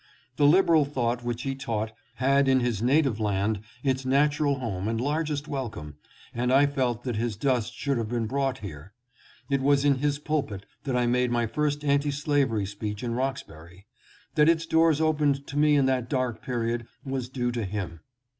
The liberal thought which he taught had in his native land its natural home and largest welcome, and I therefore felt that his dust should have been brought here. It was in his pulpit that I made my first anti slavery speech in Roxbury. That its doors opened to me in that dark period was due to him.